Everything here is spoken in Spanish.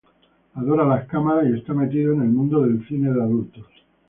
Adora las cámaras y está metido en el mundo del cine de adultos.